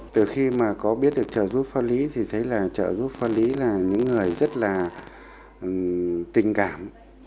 từ khi mà có biết được trợ giúp pháp lý thì thấy là trợ giúp pháp lý là những người rất là tình cảm